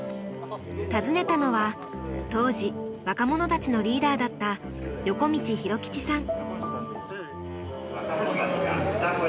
訪ねたのは当時若者たちのリーダーだった横道さん